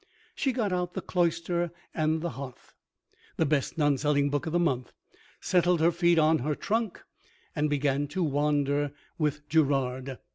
She got out "The Cloister and the Hearth," the best non selling book of the month, settled her feet on her trunk, and began to wander with Gerard.